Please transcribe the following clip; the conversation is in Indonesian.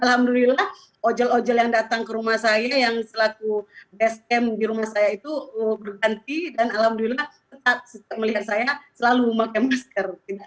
alhamdulillah ojol ojol yang datang ke rumah saya yang selaku sm di rumah saya itu berganti dan alhamdulillah tetap melihat saya selalu memakai masker